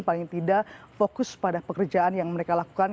paling tidak fokus pada pekerjaan yang mereka lakukan